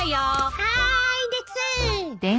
はーいです。